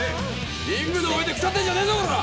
リングの上で腐ってんじゃねえぞコラ！